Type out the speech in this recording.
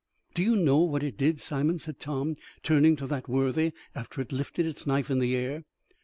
"Do you know what it did, Simon," said Tom, turning to that worthy, "after it lifted its knife in the air?"